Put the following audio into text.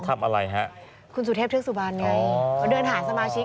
ทำอะไรฮะคุณสุเทพเทศุบาลไงเดินหาสมาชิก